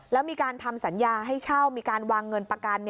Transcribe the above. แล้วมีการทำสัญญาให้เช่ามีการวางเงินประกัน